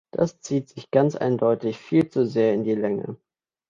Das zieht sich ganz eindeutig viel zu sehr in die Länge.